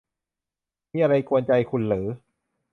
มีอะไรกวนใจคุณหรือ